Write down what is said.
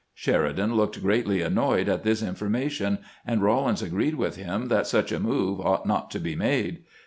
Sheridan looked greatly annoyed at this in formation, and Eawlins agreed with him that such a move ought not to be made.